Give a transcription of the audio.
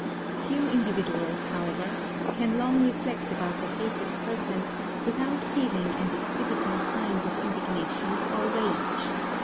Few individuals, however, can long reflect about a hated person, without feeling and exhibiting signs of indignation or rage.